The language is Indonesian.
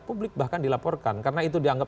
publik bahkan dilaporkan karena itu dianggap